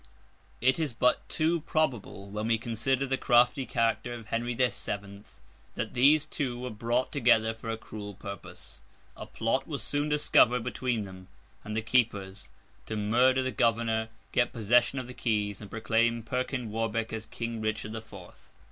It is but too probable, when we consider the crafty character of Henry the Seventh, that these two were brought together for a cruel purpose. A plot was soon discovered between them and the keepers, to murder the Governor, get possession of the keys, and proclaim Perkin Warbeck as King Richard the Fourth.